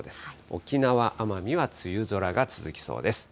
沖縄・奄美は梅雨空が続きそうです。